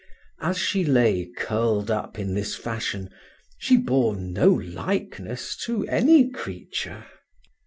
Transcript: As she lay curled up in this fashion, she bore no likeness to any creature.